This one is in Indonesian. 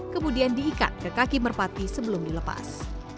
kemudian diikat ke kaki merpati sebelum dilepas